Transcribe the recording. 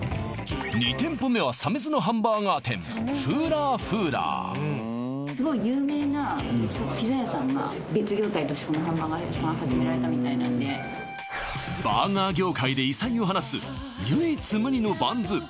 ２店舗目は鮫洲のハンバーガー店みたいなんでバーガー業界で異彩を放つ唯一無二のバンズ